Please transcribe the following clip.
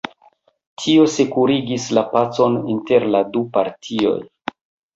Tio sekurigis la pacon inter la du partioj.